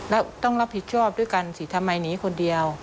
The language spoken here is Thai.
แล้วต้องรับผิดชอบด้วยกันสิทำไมหนีคนเดียว